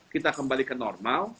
kita kembali ke normal